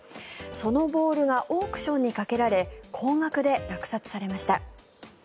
そのボールがオークションにかけられ高額で落札されました。